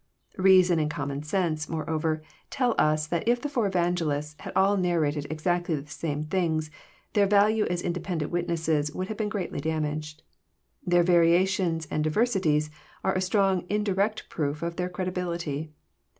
Eeason and common sense, more over, tell us that if the four Evangelists ha<l all narrated exactly the same things, their value as independent witnesses would have been greatly damaged. Their variations and diversities are a strong indirect proof of their credibility.